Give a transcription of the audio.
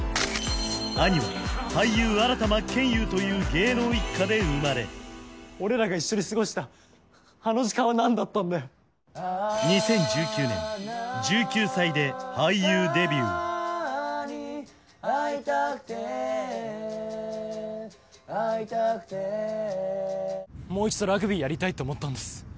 兄は俳優新田真剣佑という芸能一家で生まれ俺らが一緒に過ごしたあの時間は何だったんだよ２０１９年逢いたくて逢いたくてもう一度ラグビーやりたいって思ったんです